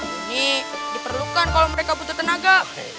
ini diperlukan kalau mereka butuh tenaga